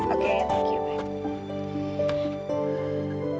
oke terima kasih